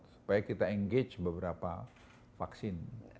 supaya kita engage beberapa vaksin